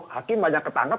hakim banyak ketangkep